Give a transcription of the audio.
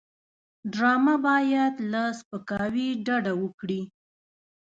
ډرامه باید له سپکاوي ډډه وکړي